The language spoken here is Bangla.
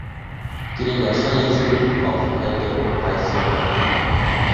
তিনি ন্যাশনাল ইনস্টিটিউট অব হেলথের ভাইস-চেয়ারম্যান।